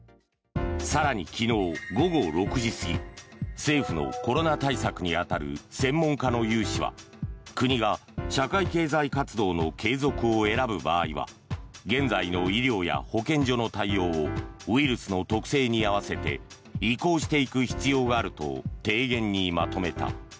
更に昨日午後６時過ぎ政府のコロナ対策に当たる専門家の有志は国が社会経済活動の継続を選ぶ場合は現在の医療や保健所の対応をウイルスの特性に合わせて移行していく必要があると提言にまとめた。